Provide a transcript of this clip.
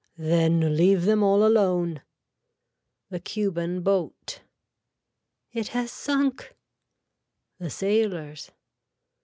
Then leave them all alone. (The Cuban Boat.) It has sunk. (The sailors.)